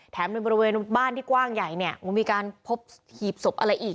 ในบริเวณบ้านที่กว้างใหญ่เนี่ยก็มีการพบหีบศพอะไรอีก